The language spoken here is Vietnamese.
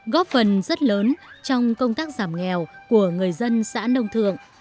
góp phần rất lớn trong công tác giảm nghèo của người dân xã nông thượng